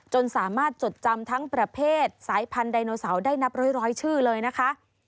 สามารถจดจำทั้งประเภทสายพันธุ์ไดโนเสาร์ได้นับร้อยชื่อเลยนะคะ